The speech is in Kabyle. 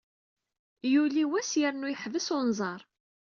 Yuli wass yernu yeḥbes unẓar.